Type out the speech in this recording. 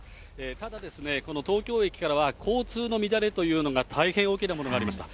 ただ、この東京駅からは交通の乱れというのが大変大きなものがありました。